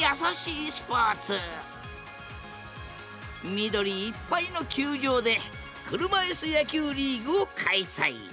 緑いっぱいの球場で車いす野球リーグを開催。